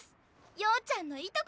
曜ちゃんのいとこ。